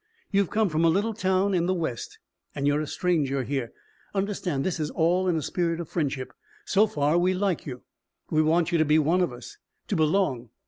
You've come from a little town in the West and you're a stranger here. Understand, this is all in a spirit of friendship. So far we like you. We want you to be one of us. To belong.